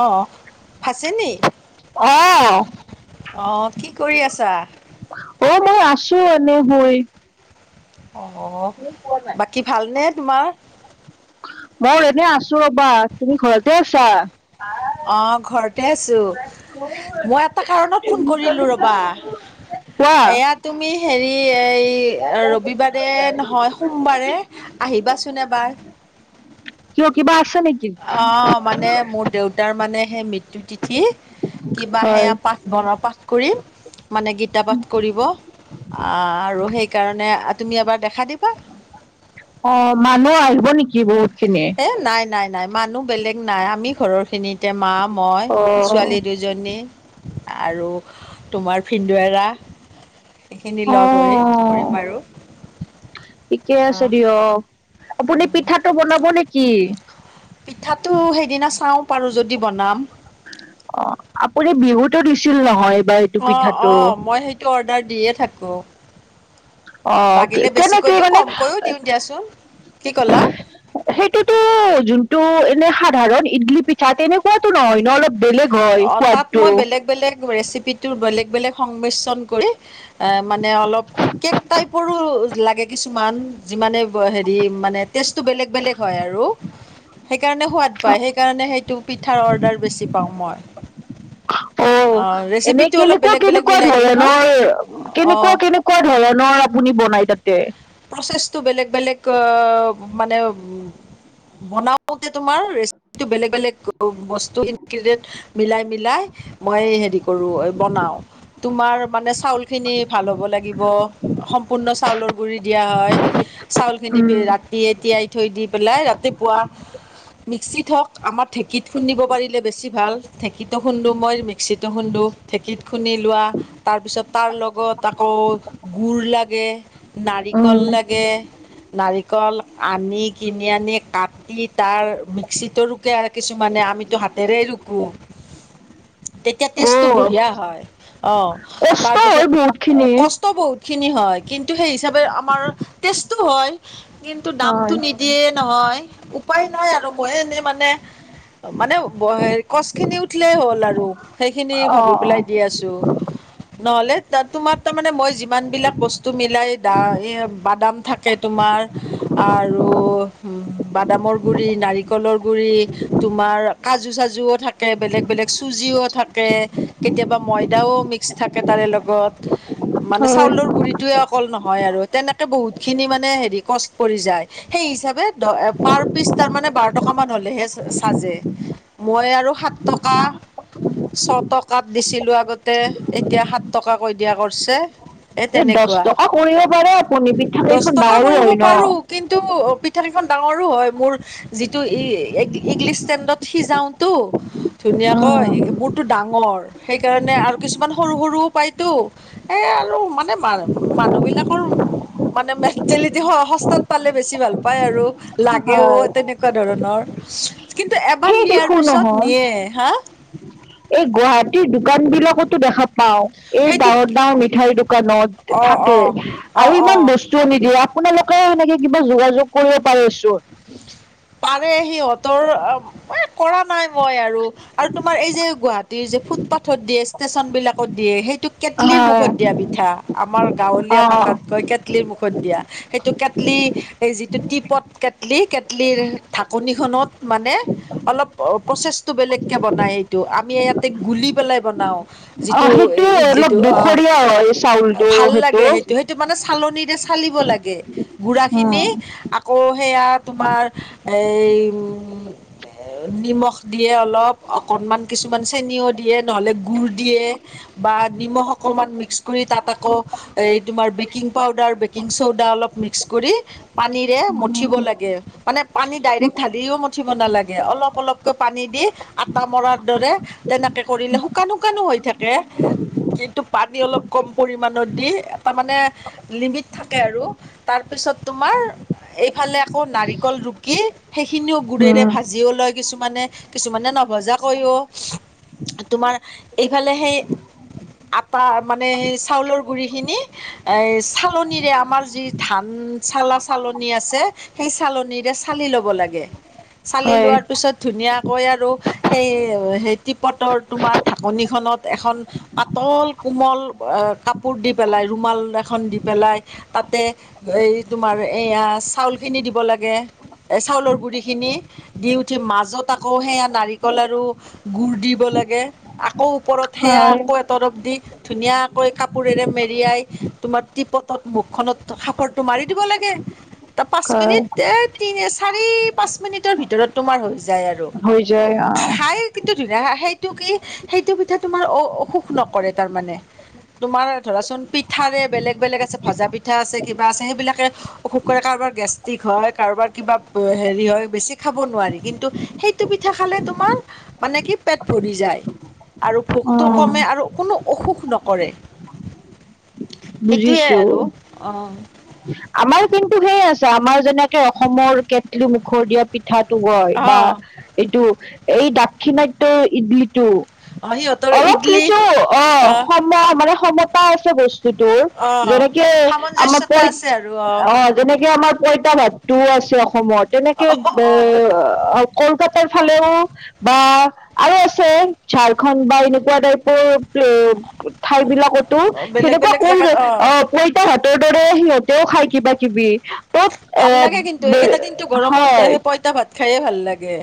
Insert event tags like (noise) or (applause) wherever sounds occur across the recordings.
অহ ফাচে নি? অ', অ', কি কৰি আছা? অ', মই আছো এনে বহি। অ', বাকী ভালনে তোমাৰ? মই এনে আছো ৰ'বা। তুমি ঘৰতে আছা? অ', ঘৰতে আছো। মই এটা কাৰণত ফোন কৰিলোঁ ৰ'বা। কোৱা এয়া তুমি হেৰি এই ৰবিবাৰে নহয় সোমবাৰে আহিবাচোন এবাৰ। কিয় কিবা আছে নেকি? অ', মানে মোৰ দেউতাৰ মানে সেই মৃত্যু তিঠি কিবা হয়, সেয়া পাঠ বন পাঠ কৰিম মানে গীতা পাঠ কৰিব। আহ আৰু সেইকাৰণে তুমি এবাৰ দেখা দিবা। অ', মানুহ হ'ব নেকি বহুত? খিনি? এ নাই নাই নাই মানুহ বেলেগ নাই। আমি ঘৰৰখিনিতে মা মই অ', ছোৱালী দুজনী। আৰু তোমাৰ ভিন্দৱেৰা। এইখিনি লগ হৈ অ', কৰিম আৰু। ঠিকে আছে অ', দিয়ক। আপুনি পিঠাটো বনাব নেকি? পিঠাটো সেইদিনা চাওঁ পাৰো যদি বনাম। টো দিছিল নহয় বা এইটো অঁ পিঠাটো। অঁ মই সেইটো অৰ্ডাৰ দিয়ে থাকোঁ। অ', লাগিলে বেছিকৈ কেনেকে দিওঁ মানে কমকৈও দিওঁ দিয়াচোন। কি কলা? সেইটোতো যোনতটো এনে সাধাৰণ ইডলি পিঠা তেনেকুৱাতো নহয় ন অলপ বেলেগ হয় অ', তাত সোৱাদটো। মই বেলেগ বেলেগ ৰেচিপিৰ বেলেগ বেলেগ সংমিশ্ৰণ কৰি মানে অলপ কেক টাইপৰো লাগে কিছুমান, যিমানে হেৰি মানে টেষ্টটো বেলেগ বেলেগ হয় আৰু। সেইকাৰণে সোৱাদ পাই। সেইকাৰণে সেইটো পিঠাৰ অৰ্ডাৰ বেছি পাওঁ মই। (inaudible) অ'। এনে কেনেকুৱা কেনেকুৱা ধৰণৰ অঁ কেনেকুৱা কেনেকুৱা ধৰণৰ আপুনি বনাই। তাতে! প্ৰচেছটো বেলেগ বেলেগ অ' মানে বনাওঁতে তোমাৰ ৰেচিপিটো বেলেগ বেলেগ বস্তু ইনগ্ৰডিয়েট মিলাই মিলাই মই হেৰি কৰো বনাওঁ। তোমাৰ মানে চাউলখিনি ভাল হ'ব লাগিব। সম্পূৰ্ণ চাউলৰ গুৰি দিয়া হয়। চাউলখিনি উম, ৰাতিয়ে টিয়াই থৈ দি পেলাই মিক্সিত হওঁক আমাৰ ঢেঁকীত খুন্দিব পাৰিলে বেছি ভাল। ঢেঁকীটো খুন্দো মই মিক্সিটো খুন্দো ঢেঁকীত খুন্দি লোৱা। তাৰ পিছত তাৰ লগত আকৌ গুৰ লাগে। নাৰিকল উম। লাগে নাৰিকল আনি কিনি আনি কাটি তাৰ মিক্সিতিতো ৰুকে আৰু কিছুমানে আমিতো হাতেৰেই ৰুকো। তেতিয়া টেষ্টটো অ', বঢ়িয়া হয় অ' কষ্ট হয় তাৰপিছত বহুত খিনি। কষ্ট বহুত। খিনি হয়। কিন্তু সেই হিচাপে আমাৰ টষ্টটো হয়। কিন্তু দামতটো হয়, নিদিয়ে নহয় উপায় নাই আৰু। মই এনে মানে মানে হে কছখিনি উঠিলেই হ'ল আৰু। সেইখিনি অ', ভাবি পেলাই অ'। দি আছো। নহ'লে ত তোমাৰ তাৰ মানে মই যিমানবিলাক বস্তু টো মিলাই দা বাদাম থাকে তোমাৰ আৰু বাদাম গুৰি নাৰিকলৰ গুৰি তোমাৰ কাজু চাজুও থাকে বেলেগ চুজিও থাকে কেতিয়াবা ময়দাও মিক্স থাকে তাৰে লগত। মানে হয়, চাউলৰ গুৰি অকল নহয় আৰু তেনেকে বহুতখিনি মানে কচ পৰি যায়। সেই হিচাপে পাৰ পিচ তাৰ মমানে বাৰ টকাামান হ'লেহে চাজে মই আৰু সাত টকা ছয় টকাত দিছিলোঁ আগতে এতিয়া সাত টকাকৈ দিয়া কৰিছে। এই দহ টকা কৰিব পাৰে আপুনি দহ পিঠাকেইখন ডাঙৰো হয় ন। পিঠা কিখন ডাঙৰো হয় মোৰ যিটো ই ইডলি ষ্টেনডত সিজাওতটো। ধুনীয়াকৈ উম, এইবোৰতো ডাঙৰ। সেইকাৰণে আৰু কিছুমান সৰু সৰু উপায়তো এ আৰু মানে মানুহবিলাকৰ মানে মেণ্টেলিটি সস্তাত পালে বেছি ভাল পায় আৰু। লাগেও হয়। তেনেকুৱা ধৰণৰ। কিন্তু এবাৰ সেই নিয়াৰ দেখো পিছত নহয়, নিয়ে হা? এই গুৱাহাটীৰ দোকান বিলাকতো দেখা পাওঁ। এই সেইটো ডাঙৰ ডাঙৰ মিঠাইৰ দোকানত অ', থাকে অ', অ', আৰু ইমান অ', বস্তুওঁ নিদিয়ে। আপোনালোকে এনেকে কিবা যোগাযোগ কৰিব পাৰিছোন। পাৰে সিহঁতৰ এ কৰা নাই মই আৰু আৰু তোমাৰ এই যে গুৱাহীৰ যে ফুটপাথত দিয়ে ষ্টেচন বিলাকত দিয়ে সেই কেটলিৰ হয় মুখত দিয়া পিঠা আমাৰ অ গাঁৱলীয়া ভাষাত কয় কেটলিৰ মুখত দিয়া। সেইটো কেড কেটলি এই যিটো টিপট কেটলি কেটলিৰ ঢাকনিখনত মানে অলপ প্ৰচেছটো বেলেগকে বনাই এইটো আমি ইয়াতে গুলি পেলাই বনাওঁ। অ যিটো সেইটো অলপ ইডলিটো অ দুখৰীয়া হয় চাউলটো ভাল লাগে সেইটো সেইটো মানে চালনৰে চালিব লাগে উম গুড়াখিনি আকৌ সেয়া তোমাৰ এই নিমখ দিয়ে অলপ। অকনমান কিছুমান চেনও দিয়ে নহ'লে গুডুৰ দিয়ে বা নিমখ অকনমান মিক্স কৰি তাত আকৌ তোমাৰ বেকি পাউডাৰ বেকিং চৌদা অলপ মিক্স কৰি পানীৰে মঠিব লাগে। মানে পানী ডাইৰেক্ট ঢালিও মঠিব নালাগে। অলপ অলপকৈ পানী দি আটা মৰাৰ দৰে তেনেকে কৰিলে শুকান শুকানো হৈ থাকে। কিন্তু পানী অলপ কম পৰিমানণত দি এটা মানে লিমিট থাকে আৰু তাৰ পিছত পিছত তোমাৰ এইফালে আকৌ নাৰিকল ৰুকি সেইখিনিও গুৰেৰে উম ভাজিও লয় কিছু মানে কিছুমানে নভজা কৰিও তোমাৰ এইফালে সেই আটা মানে সেই চাউলৰ গুৰিখিনি এ চালনিৰে আমাৰ যি ধান চালা চালনি আছে সেই চালনি চালি ল'ব লাগে চালি হয় লোৱাৰ পিছত ধুনীয়া কৈ আৰু সেই হেই টিপটৰ তোমাৰ ঢাকনিখনত এখন পাতল কোমল কাপোৰ দি পেলাই ৰুমাল এখন দি পেলাই তাতে এই তোমাৰ এইয়া চাউলখিনি দিব লাগে। এ চাউলৰ গুৰি খিনি দি উঠি মাজত আকৌ সেয়া নাৰিকল আৰু গুড় দি। লাগে আকৌ ওপৰত সেয়া হয় আকৌ এতৰফ দি। ধুনীয়াকৈ কাপোৰেৰে মেৰিয়াই তোমাৰ টিপটত মুখখনত সাপৰটো মাৰি দিব লাগে। পাঁচ হয় মিনিট এ তিনি চাৰি পাঁচ মিনিটৰ ভিতৰত তোমাৰ হৈ যায়। যায় আৰু হৈ যায় অ হাই এটিটোদ। সেইটো কি সেইটো পিঠা তোমাৰ অ' অসুখ নকৰে তাৰমানে। তোমাৰ ধৰাচোন পিঠাৰে বেলেগ বেলেগ আছে ভজা পিঠা আছে কিবা আছে সেইবিলাকে অসুখ কৰে কাৰণ। কাৰোবাৰ গেষ্টিক হয় কাৰোবাৰ কিবা হেৰি হয় বেছি খাব নোৱাৰি। কিন্তু সেইটো পিঠা খালে তোমাৰ মানে কি পেট ভৰি যায় আৰু অ ভোকটো কমে আৰু কোনো অসুখ নকৰে। (inaudible) সেইটোৱে বুজিছো। আৰু অ আমাৰ কিন্তু সেই আছে আমাৰ যেনেকে অসমৰ কেটলি মুখত দিয়া পি পিঠাটো কয় বা এইটো এই দাক্ষিণাত্যৰ ইডলিটো। অ সিহঁতৰ অলপ ইডলি কিছু অ' অহ সময় মানে সময়। পাই আছে বস্তুতোৰ অ', যেনেকে আমাৰ প সামঞ্জস্যতা আছে আৰু অ' যেনেকে আমাৰ। পইতা ভাত টোও আছে। অসমৰ তেনেকে অ', এ অ', কলকাতাৰ ফালেও। বা আৰু আছে ঝাৰখণ্ড বা এনেকুৱা টাইপৰ ঠাই বিলাক। অ' বেলেগ। এনেুৱা বেলেগ কোন জেগাত অ' পইতা হাতৰ দৰে সিহঁতেও খায় কিবা কিবি। তত এ ভাল লাগে। কিন্তু, বে- একেইটা দিনতো গৰমত হয় আহেই পইতা ভাত খায়ে ভাল লাগে।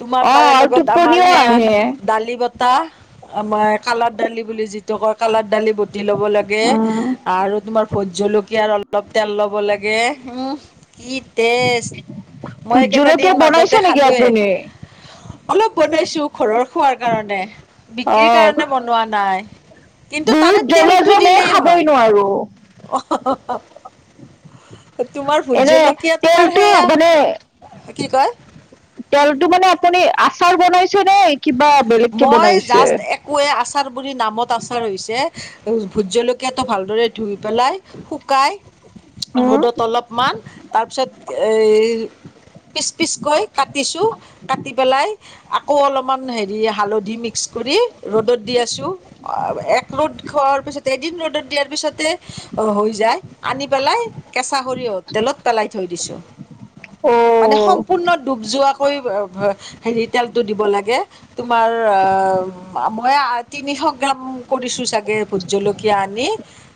তোমাৰ অ লাৰ আৰু লগত আমাৰ টোপনিও সেয়া আহে দালি বত। টা আমাৰ কালৰ দালি বুলি যিটো কয় কালাৰ দালি বুট। দি ল'ব লাগে উম আৰু তোমাৰ ভোট জলকীয়াৰ অলপ তেল ল'ব লাগে, উম। কি টেষ্ট, ভোট মই কেইটা জলকীয়া দিন মাজতে বনাইছে নেকি খালোৱেই। আপুনি অলপ বনাইছো, ঘৰৰ খোৱাৰ কাৰণে, বিক্ৰীৰ অ', কাৰণে বনোৱা নাই। কিন্তু তাৰে বহুত জ্বলা তেলতটো যে মই দিলেই খাবই হয়। নোৱাৰো। (unintelligible) তোমাৰ ভোত এনে জলকীয়া তোমাৰ তেলটো সেইয়া কি কয়। তেলতটো মানে আপুনি আচাৰ বনাইছে। নে কিবা বেলেগকে মই বনাইছে? জাষ্ট একোৱোৱে আচাৰ বুলি নামত আচাৰ হৈছে। ভোট জলকীয়াটো ভালদৰে ধুই পেলাই শুকাই। হুম। ৰ'দত অলপমান তাৰপিছত এই। পিচ পিচকৈ কাটিছোঁ, কাটি পেলাই আকৌ অলপ। অকণমান হেৰী হালধি মিক্মচ কৰি ৰ'দত দি আছো এক ৰ'দ খোৱাৰ পিছতে ত দিয়াপিছত। হৈ যায়, আনি পেলাই কেঁচা খৰিয়হ টেলত পেলাই থৈ দিছো। মানে অ', সম্পূৰ্ণ ডুব যোৱাকৈ হেৰি তেলটো দিব লাগে। তোমাৰ অ' মই তিনিশ গ্ৰাম কৰিছো চাগে। ভোট জলকীয়া আনি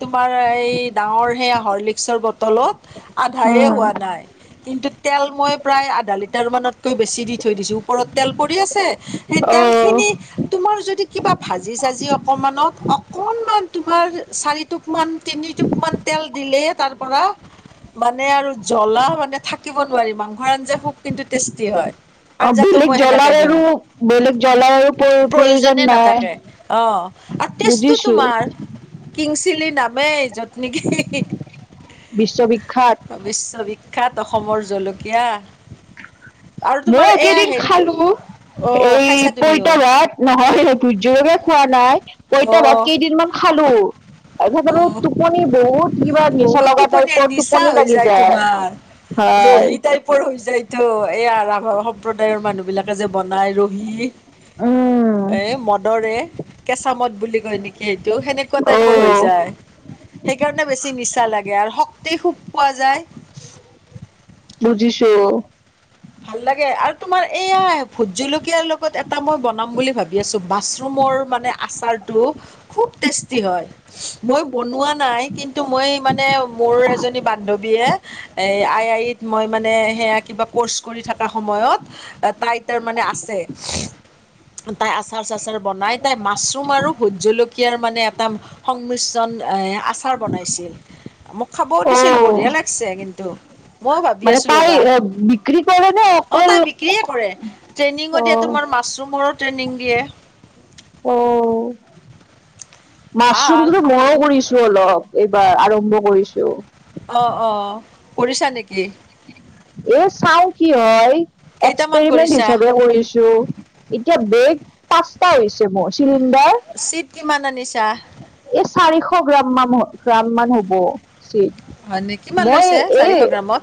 তোমাৰ এই ডাঙৰ সেই হৰৰ্লিকচৰ বটলত। আধায়ে উম। হোৱা নাই, কিন্তু তেল মই প্ৰায় আধা লিটাৰমানতকৈ বেছি দি থৈ দিছোঁ। ওপৰত তেল পৰি আছে। সেই তেল অ', খিনি তোমাৰ যদি কিবা ভাজি চাজি অকমানত অকনমান তোমাৰ চাৰিটোপান তিনি টোপমান তেল দিলে তাৰ পৰা মানে মানে আৰু জ্বলা মানে থাকিব নোৱাৰি, মাংসৰ আঞ্জা খুব কিন্তু টেষ্টি হয়। অ', আঞ্জাটো বেলেগ মই জ্বলাৰ সেনেকে দিওঁ। আৰু বেলেগ জ্বলাৰ আৰু প্ৰ প্ৰয়োজন প্ৰয়োজনে নাই। নাথাকে আহ আৰু তেষ্টটো বুজিছো তোমাৰ। কিংচিলি নামেই যতনকি বিশ্ববিখ্যাত। বিখ্যাত অসমৰ জলকীয়া। আৰু মই তোমাৰ এয়া একেদিন হেৰিটো খালো। অ', এই খাইছা তুমিও পৈতাভাট নহয় ভোট জলকীয়া খোৱা নাই। পঁইতা ভাত অ', কেইদিনমান খালো। তাৰ পিছত অ', টোপনি বহুত। কিবা নিচা বহুত লগা টোপনি টাইপত নিচা টোপনি হৈ লাগি যায়। তোমাৰ। হয় ৰহি টাইপৰ হৈ যায়টো, এই ৰাভা সম্প্ৰদায়ৰ মানুহ বিলাকে যে বনাই আৰু। উম হি-এই মদৰে, কেচাঁ মদ বুলি নেকি সেইটো সেনেকুৱা অ টাইপৰ হৈ যায়। সেইকাৰণে বেছি নিচা লাগে। আৰু শক্তি শোষ পোৱা যায়। বুজিছো। ভাল লাগে আৰু। তোমাৰ এইয়া ভোট জলকীয়াৰ লগত এটা মই বনাম বুলি ভাবি। এছ মাছৰুমৰ মানে আচাৰটো খুব টেষ্টি হয়। মই বনোৱা নাই, কিন্তু মই মানে মোৰ এজনী বান্ধৱীয়ে এ আনি হেৰিত মই মানে সেয়া কিবা ক'ৰ্চ কৰি থকা সময়ত তাই তাৰমানে আছে। তাই আচাৰ -চাচাৰ বনাই। তাই মাছৰুম আৰু ভোট জলকীয়াৰ মানে এটা সংমিশ্ৰণ এ আচাৰ বনাইছিল মোক খাবও অ দিছিল বঢ়িয়া লাগিছে কিন্তু, ময়ো ভাবি মানে আছো তাই ৰ'বা। বিক্ৰী কৰে নে অ', অকল তাই বিক্ৰিয়ে কৰে, ট্ৰেইনিও অ দিয়ে তোমাৰ মাছৰুমৰ ট্ৰেইনিং দিয়ে। ভাল মাছৰুমটোতো মইও কৰিছো অলপ এইবাৰ, আৰম্ভ কৰিছো। অ', অ', কৰিছা নেকি? এই চাও কি হয়? কেইটামান এক্সপেৰিমেণ্ট কৰিছা হিচাপে কৰিছো, এতিয়া বেগ পাঁচটা হৈছে মোৰ, চিলিণ্ডাৰ চিট কিমান আনিছা চাৰিশ গ্ৰাম মান, গ্ৰাম মান হ'ব। চে হয়নে কিমান মই লৈছে এই চাৰিশ গ্ৰামত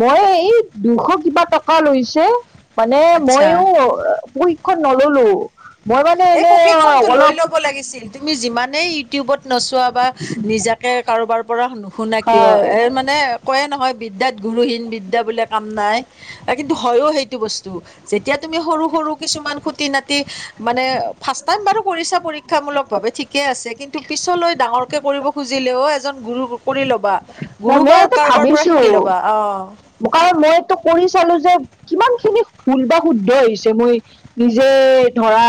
মই এই দুশ কিবা টকা লৈছে মানে আচ্ছা ময়ো প্ৰশিক্ষণ নল'লো মই মানে এই এনে প্ৰশিক্ষনটো লৈ অলপ ল'ব লাগিছিল, তুমি যিমান নে ইউটিউবত নোচুৱা বা নিজাকে কাৰোবাৰ পৰা, নুশুনা কিয় হয় মানে কয় নহয় বিদ্যাত গুৰুহীন বিদ্যা বোলে কাম নাই, কিন্তু হয়ো সেইটো বস্তু যেতিয়া তুমি সৰু -সৰু কিছুমান খুতি নাতি ৰ ফাৰ্ষ্ট টাইম বাৰু কৰিছা পৰীক্ষামূলক ভাৱে, পিছৰখিনি ডাঙৰ কে কৰিব খুজিলেও এজন গুৰু কৰি ল'বা, গুৰু মই বা এইটো কাৰোবাৰ পৰা শিকি ভাবিছো ল'বা অ'। কাৰণ মই এইটো কৰি চালো যে, কিমান খিনি ভূল বা শুদ্ধ হৈছে, মই নিজে ধৰা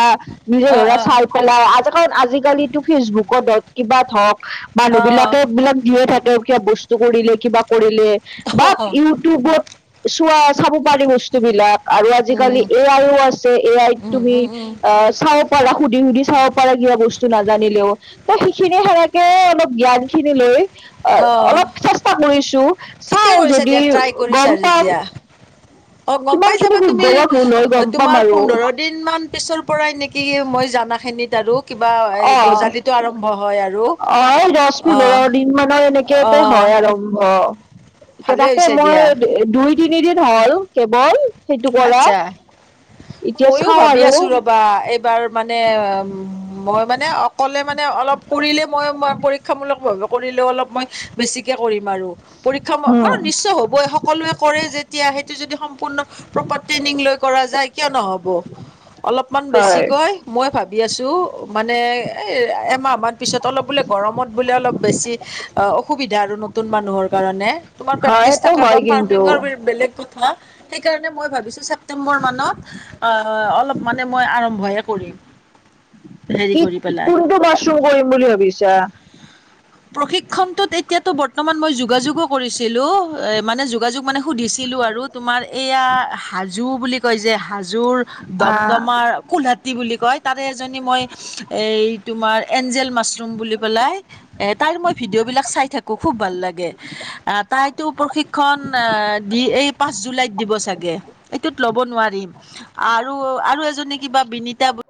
নিজে অ ধৰা চাই পেলাও আজিকালি- আজিকালিটো ফেচবুকত হওঁক কিবাত হওঁক অ মানুহ বিলাকে অ বিলাক দিয়ে থাকে কিবা বস্তু কৰিলে কিবা কৰিলে লে বা অ ইউটিউবত চোৱা পাৰি বস্তুবিলাক আৰু আজিকালি উম এ আইও আছে এ আইত উম তুমি উম উম চাব পাৰা সুধি সুধি চাব পাৰে, কিবা বস্তু নাজানিলেও ত সেইখিনিয়ে সেনেকে অলপ জ্ঞান খিনি লৈ আহ অ অলপ চেষ্টা কৰিছোঁ। ঠিকে চাও কৰিছা যদি দিয়া ট্ৰাই কৰিছা গম পাম যেতিয়া অ', গম কিমান পাই খিনি যাবা শুদ্ধ তুমি বা ভুল হয় গম পাম তোমাৰ আৰু পোন্ধৰ দিন মান পিছৰ পৰাই নেকি মই য দানা খিনিত আৰু কিবা এ অ গজালিতো আৰম্ভ হয় আৰু অ',, দহ অ পোন্ধৰ দিন মানৰ অ এনেকেতে হয় আৰম্ভ এতিয়া ভালে তাকে হৈছে দিয়া মোৰ দুই তিনিদিন হ'ল, কেৱল সেইটো কৰা আচ্ছা এতিয়া ময়ো চাও ভাবি আৰু আছো ৰবা। এইবাৰ মানে মই মানে অকলে মানে অলপ কৰিলে মই-মই পৰীক্ষামূলকভাৱে কৰিলেও অলপ মই বেছিকে কৰিম আৰু। পৰীক্ষা হম ম-নিশ্চয় হ'বই সকলোৱে কৰে যেতিয়া সেইটো যদি সম্পূৰ্ণ প্ৰ পত ট্ৰেইনিং লৈ কৰা যায় কিয় নহ'ব, অলপমান হয় বেছিকৈ মই ভাব ভাবি আছো মানে (unintelligible) এক মাহ মান পিছত অলপ বোলে গৰমত বোলে অলপ বেছি অ-অসুবিধা আৰু নতুন মানুহৰ কাৰণে। তোমাৰ প্ৰেক্টিচ হয়তো থাকে বা হয় কিন্তু ফাৰ্মিংৰ বিৰ-বেলেগ (unintelligible) সেইকাৰণে মই ভাব বুজিছো ছেপটেম্বৰ মানত আ, অলপ মানে মই আৰম্ভহে কৰিম। হেৰি কি, কৰি পেলাই কোনটো মাছৰুম কৰিম বুলি ভাবিছা? তো বৰ্তমান মই যোগাযোগো কৰিছিলোঁ এ মানে যোগাযোগ মানে সুধিছিলোঁ আৰু তোমাৰ এয়া হাজো বুলি কৈ যে হাজো জোৰ আহ দমদমাৰ কোলহাটী বুলি কয় তাৰে এজনী মই এই তোমাৰ এঞ্জেল মাছৰুম বুলি পেলাই এ তাইৰ মই ভিডিঅ'বলাক চাই থাকোঁ খুব ভাল লাগে তাইতো প্ৰশিক্ষণ দি এই পাঁচ জুলাইত দিব চাগে, এইটোত ল'ব নোৱাৰিম আৰু আৰু এজনী কিবা বিনিতা